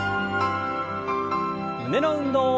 胸の運動。